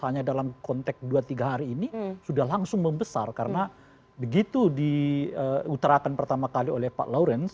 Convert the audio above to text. hanya dalam konteks dua tiga hari ini sudah langsung membesar karena begitu diutarakan pertama kali oleh pak lawrence